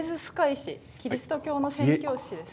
キリスト教の宣教師ですね。